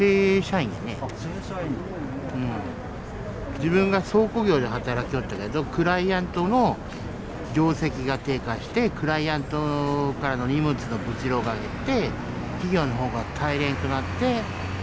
自分が倉庫業で働きよったけどクライアントの業績が低下してクライアントからの荷物の物量が減って。